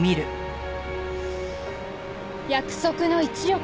約束の１億。